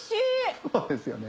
そうですよね。